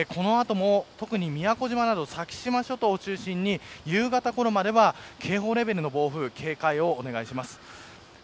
この後も宮古島など先島諸島を中心に夕方ころまでは、警報レベルの暴風に警戒をお願いします。